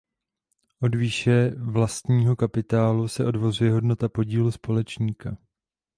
Od výše vlastního kapitálu se odvozuje hodnota podílu společníka.